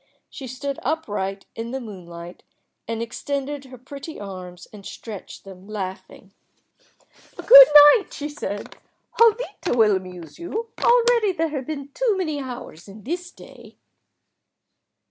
She stood upright in the moonlight, and extended her pretty arms and stretched them, laughing. "Good night," she said. "Jovita will amuse you. Already there have been too many hours in this day."